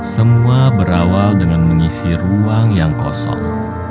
semua berawal dengan mengisi ruang yang kosong